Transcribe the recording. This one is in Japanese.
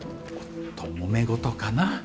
おっともめ事かな？